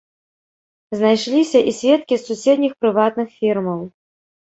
Знайшліся і сведкі з суседніх прыватных фірмаў.